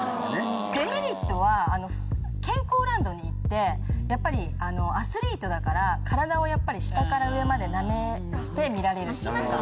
デメリットは健康ランドに行ってやっぱりアスリートだから体を下から上までなめて見られる。